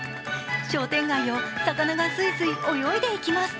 商店街を魚がスイスイ泳いでいきます。